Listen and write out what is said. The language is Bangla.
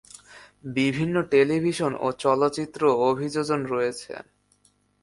বিভিন্ন টেলিভিশন ও চলচ্চিত্র অভিযোজন রয়েছে।